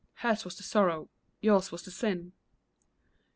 Hers was the sorrow, yours the sin.